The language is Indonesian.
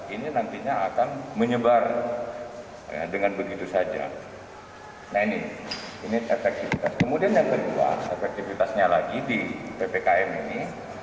ini nantinya akan menyebar dengan begitu saja nah ini ini efektifitas kemudian yang kedua efektifitasnya lagi di ppkm ini